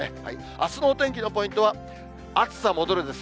あすのお天気のポイントは、暑さ戻るです。